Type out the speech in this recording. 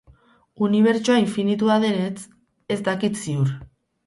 Unibertsoa infinitua denetz ez dakit ziur.